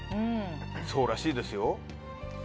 そうらしいですよ。